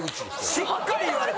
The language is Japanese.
しっかり言われた。